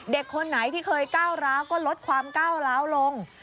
คนไหนที่เคยก้าวร้าวก็ลดความก้าวร้าวลง